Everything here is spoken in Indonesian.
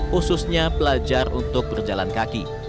khususnya pelajar untuk berjalan kaki